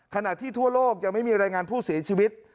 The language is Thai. ขณะที่ทั่วโลกยังไม่มีรายงานผู้เสียชีวิต